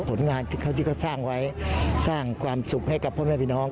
ผลงานที่เขาที่เขาสร้างไว้สร้างความสุขให้กับพ่อแม่พี่น้อง